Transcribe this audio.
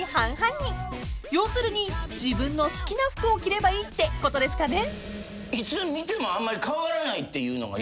［要するに自分の好きな服を着ればいいってことですかね］